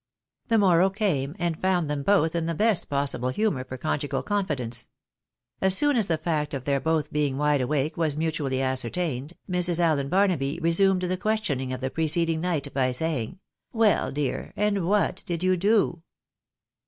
The morrow came, and found them both in the best possible humour for conjugal confidence. As soon as the fact of their both being wide awake was mutually ascertained, Mrs. Allen Barnaby resumed the questioning of the preceding night by saying, " Well, dear, and what did you do